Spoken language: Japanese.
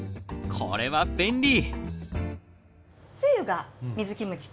これは便利！